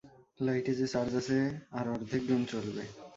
লাইটে যে চার্জ আছে আর অর্ধেক দিন চলবে!